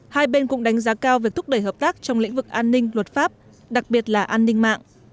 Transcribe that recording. hai bên cũng đánh giá cao việc thúc đẩy hợp tác trong lĩnh vực an ninh luật pháp đặc biệt là an ninh mạng